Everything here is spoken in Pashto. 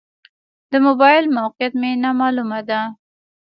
د موبایل موقعیت مې نا معلومه ده.